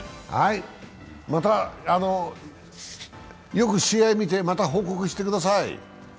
よく試合見て、また報告してください。